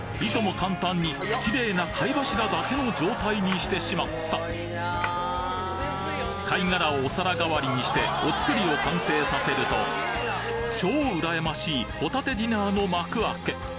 簡単にきれいな貝柱だけの状態にしてしまった貝殻をお皿代わりにしてお造りを完成させると超うらやましいホタテディナーの幕開け